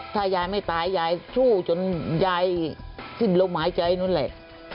ถ้ายายไม่ตายยายสู้จนยายสิ้นลมหายใจนู้นแหละ